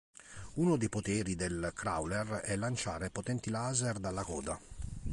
Uno dei poteri del "crawler" è lanciare potenti laser dalla coda.